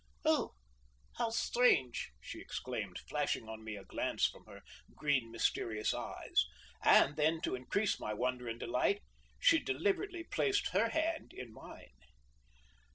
"Oh, how strange!" she exclaimed, flashing on me a glance from her green, mysterious eyes; and then, to increase my wonder and delight, she deliberately placed her hand in mine.